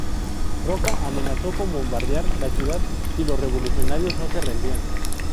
Roca amenazó con bombardear la ciudad si los revolucionarios no se rendían.